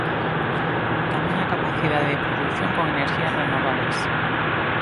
Tamén a capacidade de produción con enerxías renovábeis.